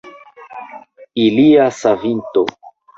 Ilia savinto!